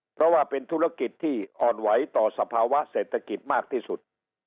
เพราะว่าเป็นธุรกิจที่อ่อนไหวต่อสภาวะเศรษฐกิจมากที่สุด